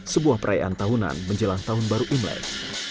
sebuah perayaan tahunan menjelang tahun baru imlek